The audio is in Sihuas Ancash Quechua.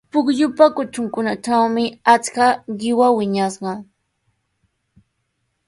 Pukyupa kutrunkunatrawmi achka qiwa wiñashqa.